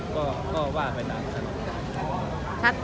ก็ว่าไปนานค่ะ